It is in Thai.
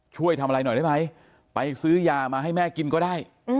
ช่วยทำอะไรหน่อยได้ไหมไปซื้อยามาให้แม่กินก็ได้